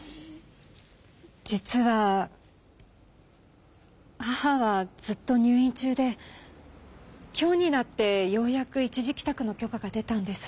実は母はずっと入院ちゅうで今日になってようやく一時きたくの許可が出たんです。